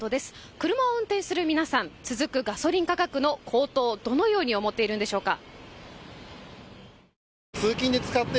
車を運転する皆さん続くガソリン価格の高騰、どのように思っているんでしょうか。